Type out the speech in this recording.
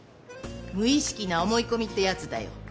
無意識な思い込みってやつだよ。